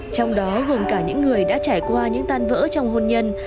trong đó gồm cả những người đã trải qua những tan vỡ trong hôn nhân